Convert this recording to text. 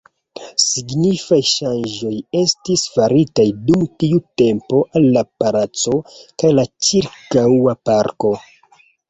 Signifaj ŝanĝoj estis faritaj dum tiu tempo al la palaco kaj la ĉirkaŭa parko.